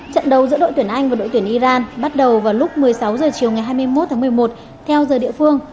trận đấu giữa đội tuyển anh và đội tuyển iran bắt đầu vào lúc một mươi sáu h chiều ngày hai mươi một tháng một mươi một theo giờ địa phương